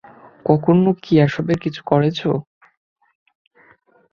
কখনও কি এসবের কিছু করেছো?